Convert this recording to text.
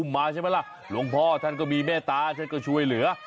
มาใช่ไหมล่ะหลวงพ่อท่านก็มีเมตตาท่านก็ช่วยเหลือ